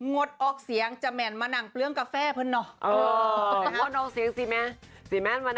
รสเสียงเซีแมนมานั่งเปลืองกาแฟเพลิน่อ